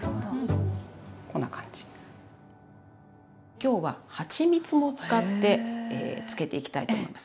今日ははちみつを使って漬けていきたいと思います。